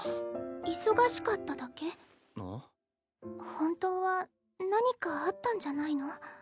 本当は何かあったんじゃないの？